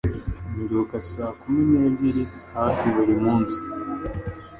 Mbyuka saa kumi n'ebyiri hafi buri munsi